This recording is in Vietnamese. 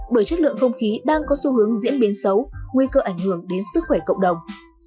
bởi chất lượng không khí đang có xu hướng diễn biến xấu nguy cơ ảnh hưởng đến sức khỏe cộng đồng